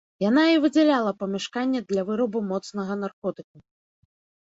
Яна і выдзяляла памяшканне для вырабу моцнага наркотыку.